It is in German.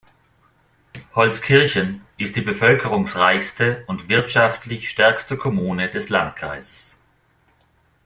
Holzkirchen ist die bevölkerungsreichste und wirtschaftlich stärkste Kommune des Landkreises.